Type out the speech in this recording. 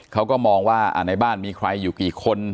เขาก็มองว่าในบ้านมีใครอยู่กี่คน